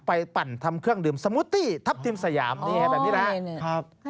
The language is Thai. ปั่นทำเครื่องดื่มสมูตี้ทัพทิมสยามนี่แบบนี้นะครับ